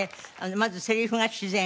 まずセリフが自然。